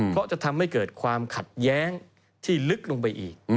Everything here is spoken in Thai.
เพราะจะทำให้เกิดความขัดแย้งที่ลึกลงไปอีก